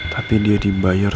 tapi dia dibayar